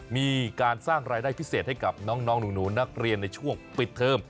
มีการสร้างรายได้พิเศษให้กับน้องหนูนักเรียนในช่วงปิดเทอม